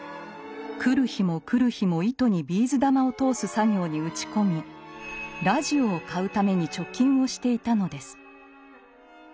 来る日も来る日も糸にビーズ玉を通す作業に打ち込みラジオを買うために貯金をしていたのです。